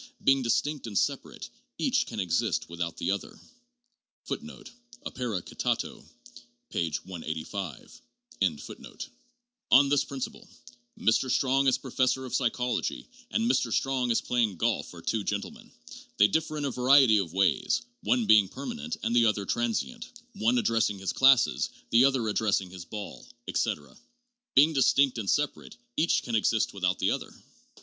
Being distinct and separate, each can exist without the other." 6 On this principle Mr. Strong as professor of psychology and Mr. Strong as playing golf are two gentlemen; they differ in a variety of ways, one being permanent and the other transient; one addressing his classes, the other addressing his ball, etc. Being distinct and separate, each can exist, without the other!